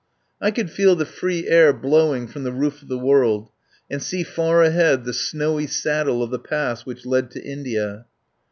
I could feel the free air blowing from the roof of the world, and see far ahead the snowy saddle of the pass which led to India.